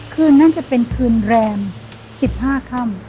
คืนนั้นจะเป็นคืนแรมสิบห้าค่ำ